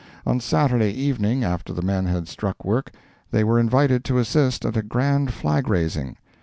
On Saturday evening, after the men had struck work, they were invited to assist at a grand flag raising.